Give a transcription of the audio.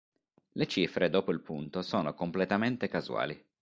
Le cifre dopo il punto sono completamente casuali.